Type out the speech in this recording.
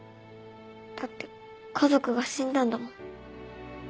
だって家族が死んだんだもん。